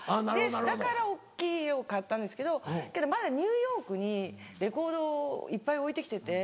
だから大っきい家を買ったんですけどけどまだニューヨークにレコードいっぱい置いて来てて。